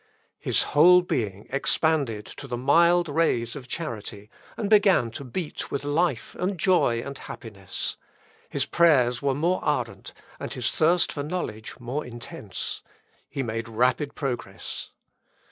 His whole being expanded to the mild rays of charity, and began to beat with life, joy, and happiness. His prayers were more ardent, and his thirst for knowledge more intense. He made rapid progress.